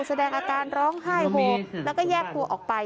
แสดงอาการร้องไห้โฮแล้วก็แยกตัวออกไป